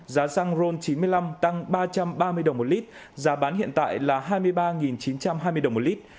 giá xăng ron chín mươi năm tăng ba trăm ba mươi đồng một lít giá bán hiện tại là hai mươi ba chín trăm hai mươi đồng một lít